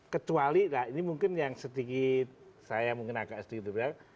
kecuali nah ini mungkin yang sedikit saya mungkin agak sedikit berbeda